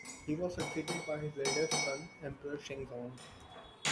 He was succeeded by his eldest son, Emperor Shenzong.